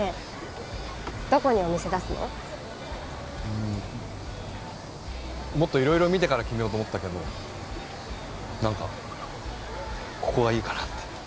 うーんもっといろいろ見てから決めようと思ったけどなんかここがいいかなって。